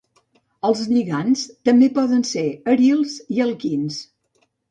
Els lligands també poden ser arils i alquins.